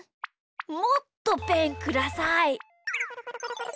もっとペンください。